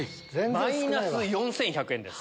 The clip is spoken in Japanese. マイナス４１００円です。